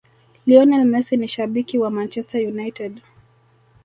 Lionel Messi ni shabiki wa Manchester United